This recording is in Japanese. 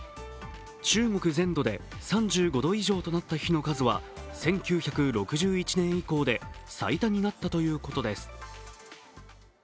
中国全土で３５度以上となった日の数は１９６１年以降で最多になったということです。